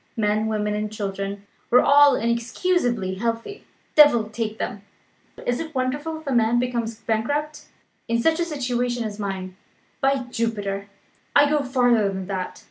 Men, women, and children, were all inexcusably healthy devil take them! Is it wonderful if a man becomes bankrupt, in such a situation as mine? By Jupiter, I go farther than that!